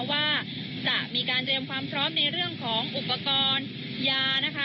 ว่าจะมีการเตรียมความพร้อมในเรื่องของอุปกรณ์ยานะคะ